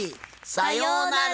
さようなら！